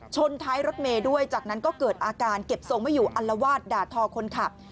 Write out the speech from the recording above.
ชนท้ายรถเมย์ด้วยจากนั้นก็เกิดอาการเก็บทรงไม่อยู่อัลวาดด่าทอคนขับ